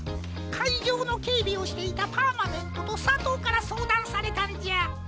かいじょうのけいびをしていたパーマネントとさとうからそうだんされたんじゃ。